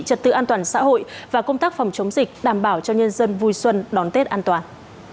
trật tự an toàn xã hội và công tác phòng chống dịch đảm bảo cho nhân dân vui xuân đón tết an toàn